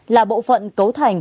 là bộ phận cấu thành